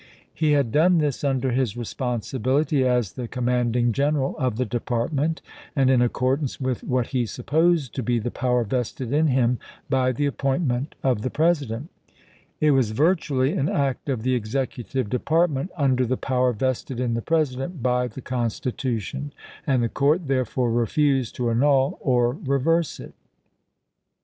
He had done this under his responsibility as the command ing general of the department, and in accordance with what he supposed to be the power vested in him by the appointment of the President. It was Vol. VIL— 22 338 ABRAHAM LINCOLN chap. xn. virtually an act of the Executive Department under the power vested in the President by the Constitution, and the court therefore refused to annul or reverse it.